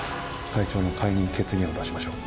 会長の解任決議案を出しましょう。